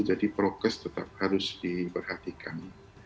jadi prokes tetap harus diperhatikan